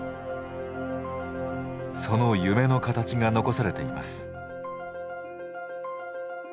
その夢の形が残されています。